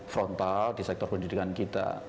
frontal di sektor pendidikan kita